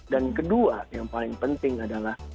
dan kedua yang paling penting adalah